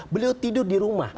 beliau tidur di rumah